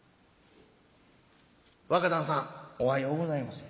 若旦さんおはようございます」。